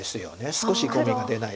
少しコミが出ない。